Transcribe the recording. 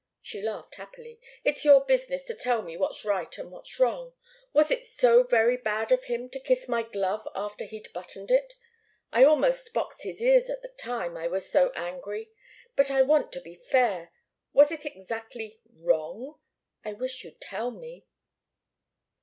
She laughed happily. "It's your business to tell me what's right and what's wrong. Was it so very bad of him to kiss my glove after he'd buttoned it? I almost boxed his ears at the time I was so angry! But I want to be fair. Was it exactly wrong? I wish you'd tell me."